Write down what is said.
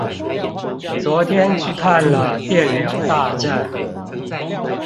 昨天去看了電流大戰